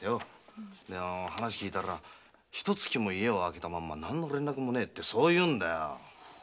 話を聞いたらひと月も家を空けて何の連絡もないって言うんだよ。